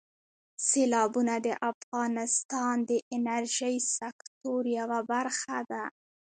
سیلابونه د افغانستان د انرژۍ سکتور یوه برخه ده.